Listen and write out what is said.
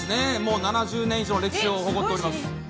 ７０年以上の歴史を誇っております。